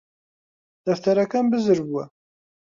دەفتەرەکەم بزر بووە